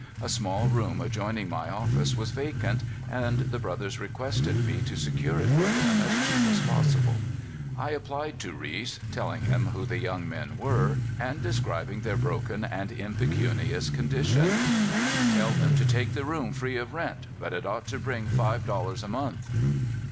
A small room adjoining my office was vacant, and the brothers requested me to se cure it for them as cheap as possible. 1 applied to Reese, telling him who the young men were, and describing their broken and impecunious con dition. Tell them to take the room free of rent, but it ought to bring five dollars a month."